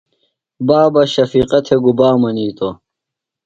بابہ شفیقہ تھےۡ گُبا منِیتوۡ؟